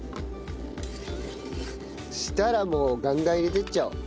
そしたらもうガンガン入れていっちゃおう。